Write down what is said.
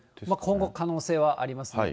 今後、可能性はありますね。